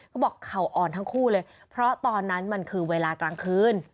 เขาบอกเขาอ่อนทั้งคู่เลยเพราะตอนนั้นมันคือเวลากลางคืน